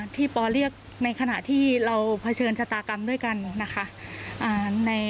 ปอเรียกในขณะที่เราเผชิญชะตากรรมด้วยกันนะคะ